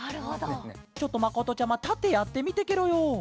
ちょっとまことちゃまたってやってみてケロよ。